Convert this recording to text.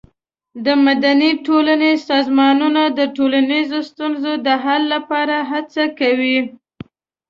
د مدني ټولنې سازمانونه د ټولنیزو ستونزو د حل لپاره هڅه کوي.